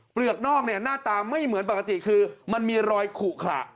กนอกเนี่ยหน้าตาไม่เหมือนปกติคือมันมีรอยขุขระ